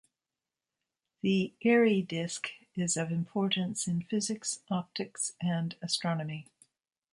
The Airy disk is of importance in physics, optics, and astronomy.